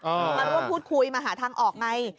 มาร่วมพูดคุยมาหาทางออกไง